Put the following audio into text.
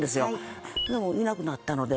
でもいなくなったので。